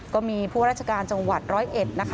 ก็มีภูราชการจังหวัด๑๐๑นะคะ